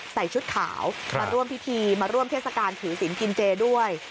ชุดขาวมาร่วมพิธีมาร่วมเทศกาลถือศิลปกินเจด้วย